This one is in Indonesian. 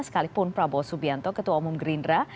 sekalipun prabowo subianto ketua umum gerindra